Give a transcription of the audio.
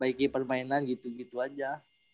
bagi permainan gitu gitu aja